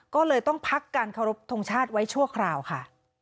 ก็เลยต้องพักการเคารพทงชาติไว้ชั่วคราวค่ะ